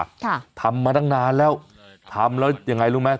ค่ะทำมาตั้งนานแล้วทำแล้วยังไงรู้ไหม